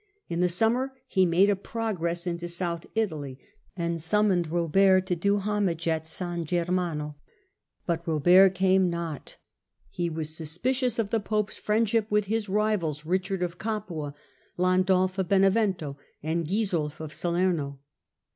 In the sunmier he made a progress into South Italy, and summoned Robert to do homage at St. Germane. But Robert came not ; he was suspicious of the pope's friendship with his rivals Richard of Oapua, Landulf of Benevento, and Gisulf of Salerno.